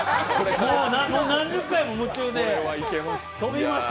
もう何十回も夢中で跳びました。